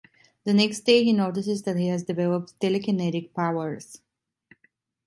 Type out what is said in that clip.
The next day, he notices that he has developed telekinetic powers.